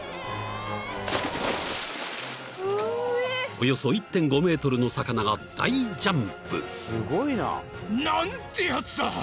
［およそ１．５ｍの魚が大ジャンプ］